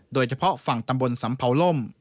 โดยเฉพาะฝั่งตำบลสำเภาล่ม